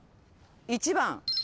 １番。